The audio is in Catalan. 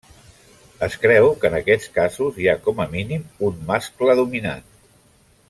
Es creu que en aquests casos, hi ha com a mínim un mascle dominant.